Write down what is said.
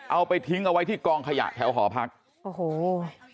เอาไปทิ้งเอาไว้ที่กองขยะแถวหอพักโอ้โห